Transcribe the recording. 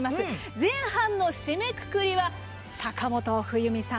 前半の締めくくりは坂本冬美さん。